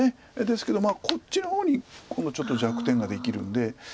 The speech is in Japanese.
ですけどこっちの方に今度ちょっと弱点ができるんで。